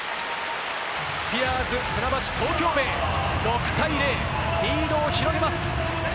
スピアーズ船橋・東京ベイ、６対０、リードを広げます。